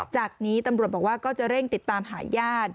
จากนี้ตำรวจบอกว่าก็จะเร่งติดตามหาญาติ